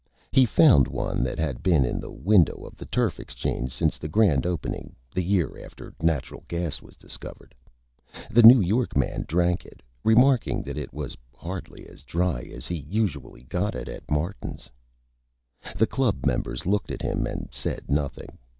He found One that had been in the Window of the Turf Exchange since the Grand Opening, the Year after Natural Gas was discovered. The New York Man drank it, remarking that it was hardly as Dry as he usually got it at Martin's. The Club Members looked at Him and said Nothing.